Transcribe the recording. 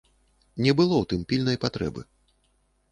Не было ў тым пільнай патрэбы.